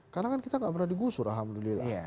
karena kan kita gak pernah di gusur alhamdulillah